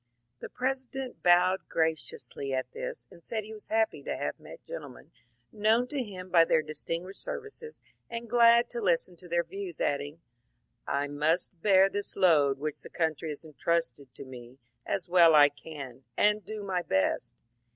The President bowed graciously at this, and said he was happy to have met gentlemen known to him by their distinguished services, and glad to listen to their views, adding, ^^ I must bear this load which the country has entrusted to me as well as I can, and do my best."